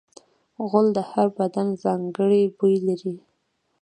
غول د هر بدن ځانګړی بوی لري.